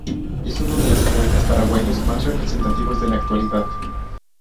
Es uno de los poetas paraguayos más representativos de la actualidad.